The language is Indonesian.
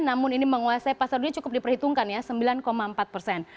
namun ini menguasai pasar dunia cukup diperhitungkan ya sembilan empat persen